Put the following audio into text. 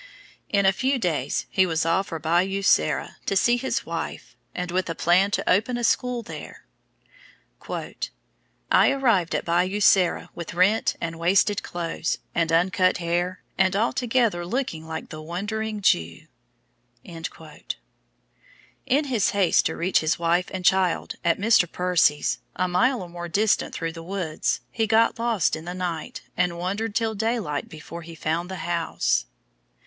In a few days he was off for Bayou Sara to see his wife, and with a plan to open a school there. "I arrived at Bayou Sara with rent and wasted clothes, and uncut hair, and altogether looking like the Wandering Jew." In his haste to reach his wife and child at Mr. Percy's, a mile or more distant through the woods, he got lost in the night, and wandered till daylight before he found the house.